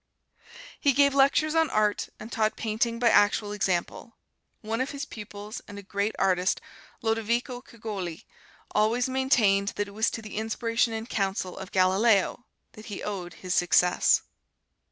He gave lectures on Art, and taught Painting by actual example. One of his pupils, and a great artist, Lodovico Cigoli, always maintained that it was to the inspiration and counsel of Galileo that he owed his success.